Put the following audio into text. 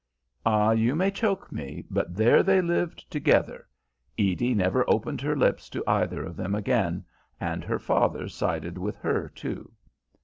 Ah, you may choke me, but there they lived together. Edie never opened her lips to either of them again, and her father sided with her, too.